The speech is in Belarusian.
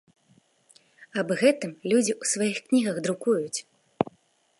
Аб гэтым людзі ў сваіх кнігах друкуюць.